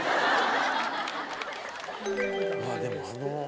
ああでもあの。